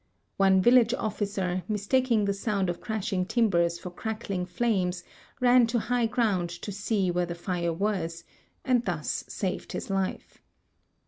One village officer, mistaking the sound of crashing timl)ers for crackling flames, ran to high ground to see where the (ire was, and thus saved his life.